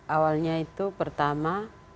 awalnya itu pertama